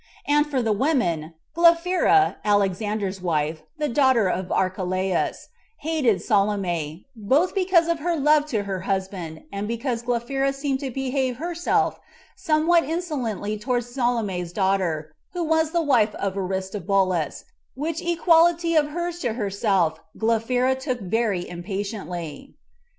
And for the women, Glaphyra, Alexander's wife, the daughter of Archelaus, hated Salome, both because of her love to her husband, and because Glaphyra seemed to behave herself somewhat insolently towards Salome's daughter, who was the wife of Aristobulus, which equality of hers to herself Glaphyra took very impatiently.